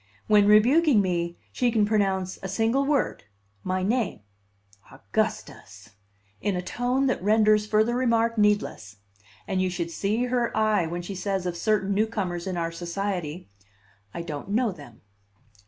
When rebuking me, she can pronounce a single word, my name, "Augustus!" in a tone that renders further remark needless; and you should see her eye when she says of certain newcomers in our society, "I don't know them."